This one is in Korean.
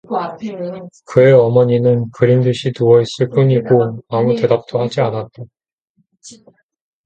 그의 어머니는 그린 듯이 누워 있을 뿐이고 아무 대답도 하지 않았다.